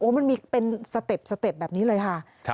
มันมีเป็นสเต็ปสเต็ปแบบนี้เลยค่ะ